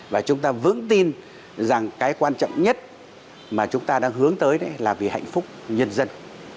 và chúng ta vững tin rằng cái quan trọng nhất mà chúng ta đang hướng tới là vì hạnh phúc nhân dân